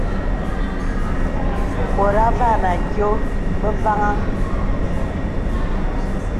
Bòt àvā nà àdiò bə vaŋhaŋ.